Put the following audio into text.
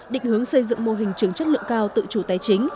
định hướng xây dựng mô hình trường chất lượng cao tự chủ tài chính